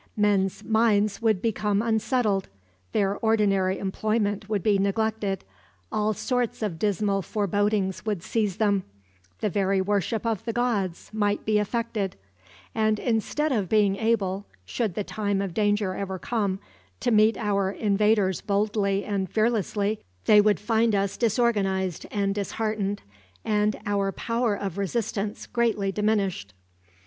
"Men's minds would become unsettled, their ordinary employment would be neglected, all sorts of dismal forebodings would seize them, the very worship of the gods might be affected; and instead of being able, should the time of danger ever come, to meet our invaders boldly and fearlessly, they would find us disorganized and disheartened, and our power of resistance greatly diminished.